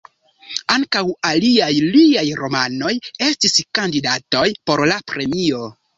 Ankaŭ aliaj liaj romanoj estis kandidatoj por la premio.